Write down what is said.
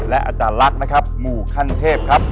และอาจารย์ลักษณ์นะครับหมู่ขั้นเทพครับ